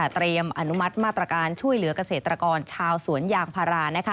เตรียมอนุมัติมาตรการช่วยเหลือกเกษตรกรชาวสวนยางพารา